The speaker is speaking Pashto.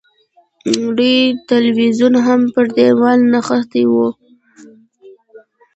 لوی تلویزیون هم پر دېوال نښتی و.